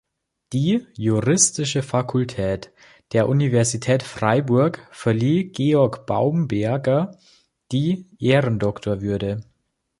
Die Juristische Fakultät der Universität Freiburg verlieh Georg Baumberger die Ehrendoktorwürde.